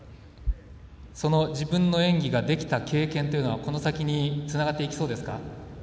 その自分の演技ができた経験というのはこの先につながっていきそうですか？